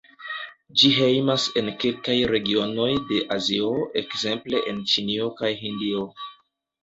Ĝi hejmas en kelkaj regionoj de Azio, ekzemple en Ĉinio kaj Hindio.